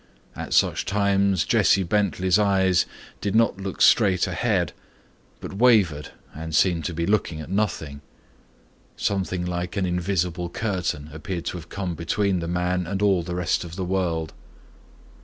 At such times Jesse Bentley's eyes did not look straight ahead but wavered and seemed to be looking at nothing. Something like an invisible curtain appeared to have come between the man and all the rest of the world.